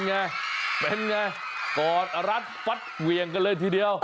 ไงเป็นไงกอดรัดฟัดเหวี่ยงกันเลยทีเดียว